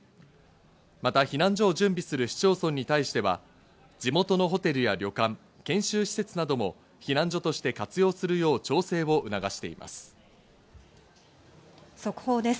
また避難所を準備する市町村に対しては、地元のホテルや旅館、研修施設なども避難所として活用するよう調整を促しています。